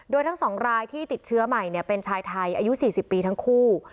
โดยทั้ง๒รายที่ติดเชื้อใหม่เป็นชายไทยอายุ๔๐ปีทั้งคู่